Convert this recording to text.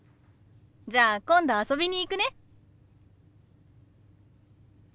じゃあ今度遊びに行くね。